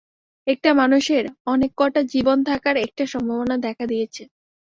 একটা মানুষের অনেক কটা জীবন থাকার একটা সম্ভাবনা দেখা দিয়েছে।